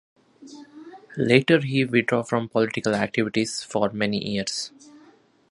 Later he withdrew from political activities for many years.